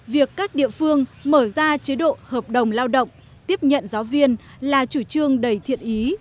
việc các địa phương mở ra chế độ hợp đồng lao động tiếp nhận giáo viên là chủ trương đầy thiện ý